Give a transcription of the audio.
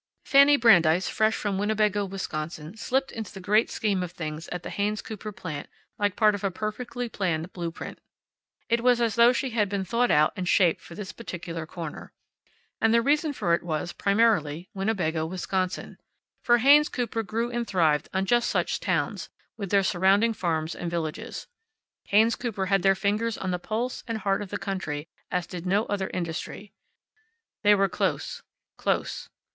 Fanny Brandeis, fresh from Winnebago, Wisconsin, slipped into the great scheme of things at the Haynes Cooper plant like part of a perfectly planned blue print. It was as though she had been thought out and shaped for this particular corner. And the reason for it was, primarily, Winnebago, Wisconsin. For Haynes Cooper grew and thrived on just such towns, with their surrounding farms and villages. Haynes Cooper had their fingers on the pulse and heart of the country as did no other industry. They were close, close.